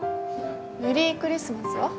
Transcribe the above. メリークリスマスは？